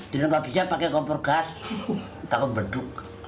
di negara bisa pakai kompor gas takut berduk